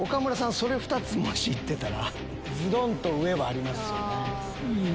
それ２つもし行ってたらズドン！と上はありますよね。